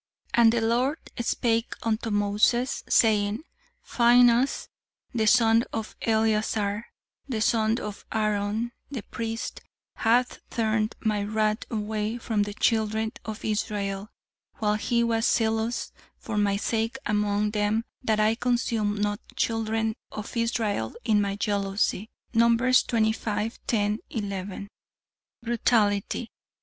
'And the Lord spake unto Moses, saying, Phinehas, the son of Eleazar, the son of Aaron the priest, hath turned my wrath away from the children of Israel, while he was zealous for my sake among them, that I consumed not the children of Israel in my jealousy.' Numbers xxv, 10, 11. "Brutality.